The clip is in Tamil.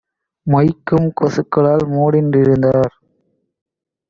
மொய்க்கும் கொசுக்களால் மூடுண் டிருந்தார்.